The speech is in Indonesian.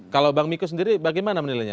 kalau bang miko sendiri bagaimana menilainya